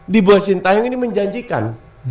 di bosintah yang ini menjanjikan